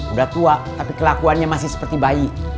udah tua tapi kelakuannya masih seperti bayi